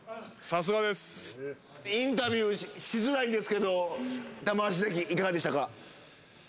さすがですインタビューしづらいんですけど玉鷲関いかがでしたか？